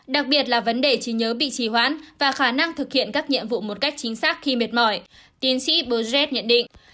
đặc biệt là vấn đề trí nhớ bị trì hoãn và khả năng thực hiện các nhiệm vụ một cách chính xác khi mệt mỏi tiến sĩ bơjet nhận định